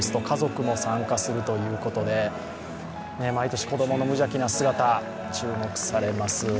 家族も参加するということで、毎年、子供の無邪気な姿、注目されます。